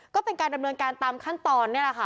ก็เป็นการดำเนินการตามขั้นตอนนี่แหละค่ะ